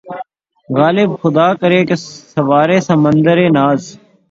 غالبؔ! خدا کرے کہ‘ سوارِ سمندِ ناز